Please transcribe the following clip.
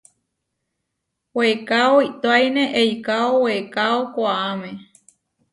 Weekáo iʼtoáine eikáo weekáo koʼáme.